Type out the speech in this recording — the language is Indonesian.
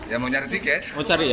ya mau nyari tiket